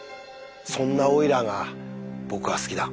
そんなオイラーが僕は好きだ。